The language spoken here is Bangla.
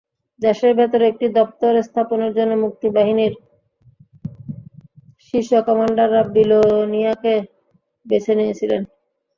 দেশের ভেতরে একটি দপ্তর স্থাপনের জন্য মুক্তিবাহিনীর শীর্ষ কমান্ডাররা বিলোনিয়াকে বেছে নিয়েছিলেন।